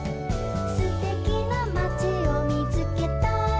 「すてきなまちをみつけたよ」